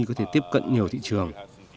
có thể tiếp cận nhiều thị trường